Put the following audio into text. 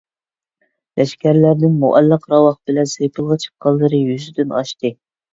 لەشكەرلەردىن مۇئەللەق راۋاق بىلەن سېپىلغا چىققانلىرى يۈزدىن ئاشتى.